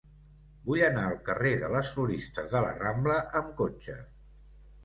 Vull anar al carrer de les Floristes de la Rambla amb cotxe.